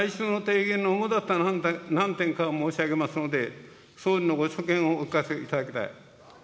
最終の提言の主だった何点かを申し上げますので、総理のご所見をお聞かせいただきたい。